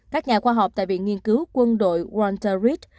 các nhà khoa học tại viện nghiên cứu quân đội walter reed